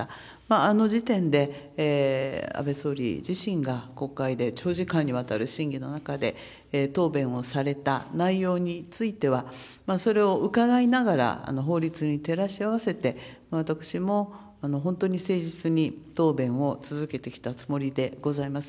あの時点で安倍総理自身が国会で長時間にわたる審議の中で答弁をされた内容については、それを伺いながら法律に照らし合わせて、私も本当に誠実に答弁を続けてきたつもりでございます。